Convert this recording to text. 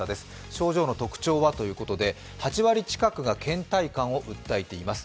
症状の特徴はということで、８割近くがけん怠感を訴えています。